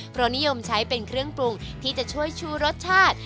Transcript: เพราะนิยมใช้เป็นเครื่องปรุงที่จะช่วยชูรสชาติ